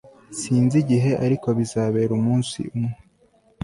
Sinzi igihe ariko bizabera umunsi umwe